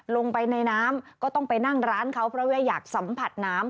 ลงไปในน้ำก็ต้องไปนั่งร้านเขาเพราะว่าอยากสัมผัสน้ำ